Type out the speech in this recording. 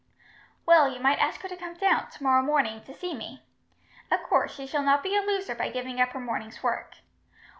"Well, you might ask her to come down, tomorrow morning, to see me. Of course, she shall not be a loser by giving up her morning's work."